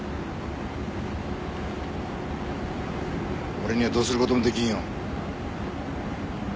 俺にはどうすることもできんよ